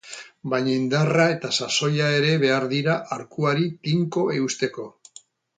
Baina indarra eta sasoia ere behar dira arkuari tinko eusteko.